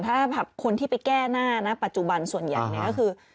ถ้าคนที่ไปแก้หน้านะปัจจุบันส่วนใหญ่เนี่ยก็คือ